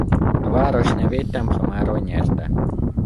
A város nevét templomáról nyerte.